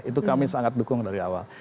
itu kami sangat dukung dari awal